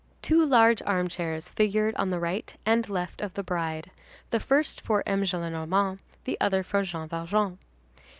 Two large armchairs figured on the right and left of the bride, the first for M. Gillenormand, the other for Jean Valjean.